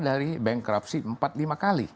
dari bengkerupsi empat lima kali